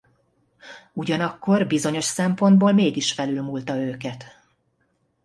Ugyanakkor bizonyos szempontból mégis felülmúlta őket.